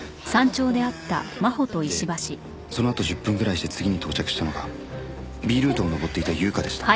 でそのあと１０分ぐらいして次に到着したのがＢルートを登っていた優花でした。